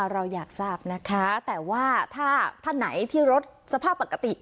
เราอยากทราบนะคะแต่ว่าถ้าท่านไหนที่รถสภาพปกติ